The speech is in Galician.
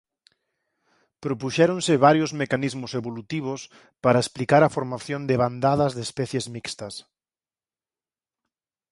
Propuxéronse varios mecanismos evolutivos para explicar a formación de bandadas de especies mixtas.